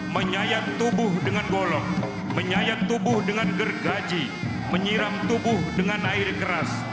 menyayat tubuh dengan golong menyayat tubuh dengan gergaji menyiram tubuh dengan air keras